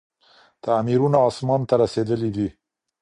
تعميرونه اسمان ته رسېدلي دي.